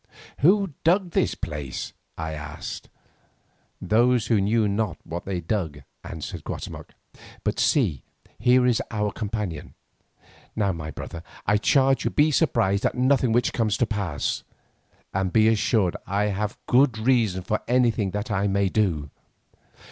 "Who dug this place?" I asked. "Those who knew not what they dug," answered Guatemoc. "But see, here is our companion. Now, my brother, I charge you be surprised at nothing which comes to pass, and be assured I have good reason for anything that I may do."